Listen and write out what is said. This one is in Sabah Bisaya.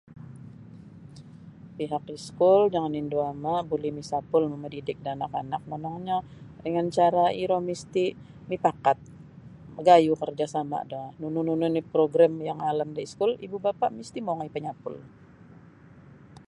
Pihak iskul jangan indu ama buli misapul mamadidik da anak-anak monongnyo dangan cara iro misti mipakat magayu kerjasama do nunu-nunu ni' program yang alan da iskul ibu bapa misti mongoi panyapul.